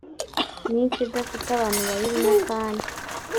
myinshi idafite abantu bayirimo kandi